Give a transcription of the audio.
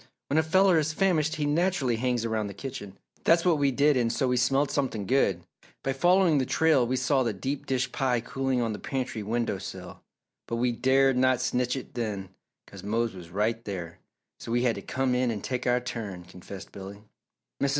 When a feller is famished he naturally hangs around the kitchen. That's what we did and so we smelled something good. By following the trail we saw the deep dish pie cooling on the pantry window sill but we dared not snitch it then 'cause Mose was right there, so we had to come in and take our turn," confessed Billy. Mrs.